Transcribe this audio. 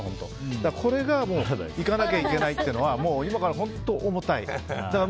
これが行かなきゃいけないっていうのは今から本当重たい。